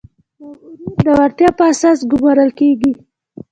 مامورین د وړتیا په اساس ګمارل کیږي